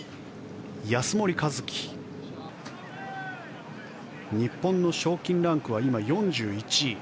安森一貴、日本の賞金ランクは今４１位。